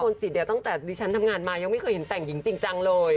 พี่มนติศตั้งแต่ฉันทำงานมายังไม่เห็นแต่งหญิงจริงจังเลย